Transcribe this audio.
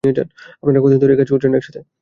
আপনারা কতদিন ধরে কাজ করছেন একসাথে?